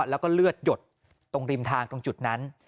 แล้วก็เลือดหยดตรงริมทางตรงจุดนั้น